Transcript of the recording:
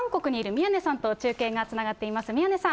宮根さん。